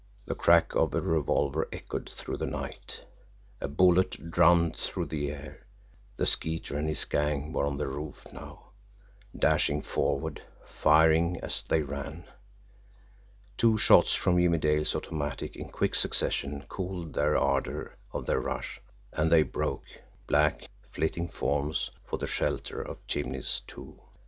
The crack of a revolver echoed through the night a bullet drummed through the air the Skeeter and his gang were on the roof now, dashing forward, firing as they ran. Two shots from Jimmie Dale's automatic, in quick succession cooled the ardour of their rush and they broke, black, flitting forms, for the shelter of chimneys, too.